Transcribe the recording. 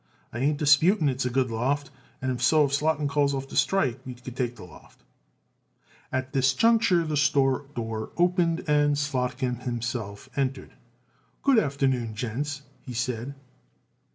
I ain't disputing it's a good loft; and so if Slotkin calls off the strike we take the loft." At this juncture the store door opened and Slotkin himself entered. "Good afternoon, gents," he said.